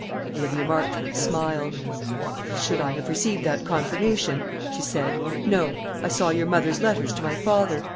Olivia Marchmont smiled. "Should I have received that confirmation?" she said. "No. I saw your mother's letters to my father.